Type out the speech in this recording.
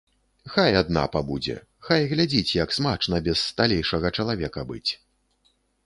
Хай адна пабудзе, хай глядзіць, як смачна без сталейшага чалавека быць.